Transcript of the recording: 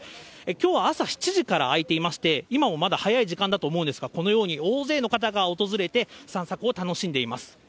きょうは朝７時から開いていまして、今もまだ早い時間だと思うんですが、このように大勢の方が訪れて、散策を楽しんでいます。